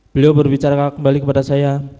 beliau berbicara kembali kepada saya